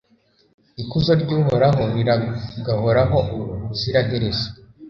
Ikuzo ry’Uhoraho riragahoraho ubuziraherezo